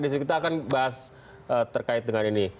di sini kita akan bahas terkait dengan ini